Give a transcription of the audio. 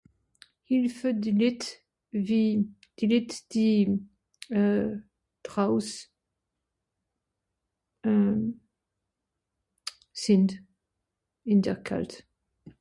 hilfe die nìt wie die nìt die euh drauss euh sìnd in der Kalt